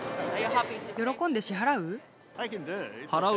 喜んで支払う？